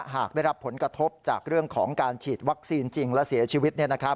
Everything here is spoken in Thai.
หากได้รับผลกระทบจากเรื่องของการฉีดวัคซีนจริงและเสียชีวิต